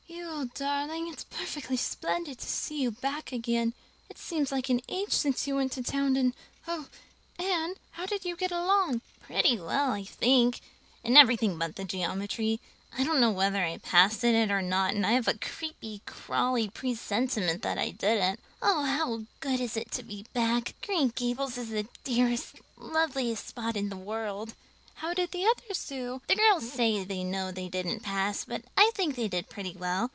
"You old darling, it's perfectly splendid to see you back again. It seems like an age since you went to town and oh, Anne, how did you get along?" "Pretty well, I think, in everything but the geometry. I don't know whether I passed in it or not and I have a creepy, crawly presentiment that I didn't. Oh, how good it is to be back! Green Gables is the dearest, loveliest spot in the world." "How did the others do?" "The girls say they know they didn't pass, but I think they did pretty well.